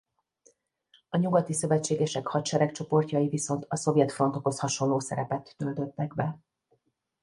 A nyugati szövetségesek hadseregcsoportjai viszont a szovjet frontokhoz hasonló szerepet töltöttek be.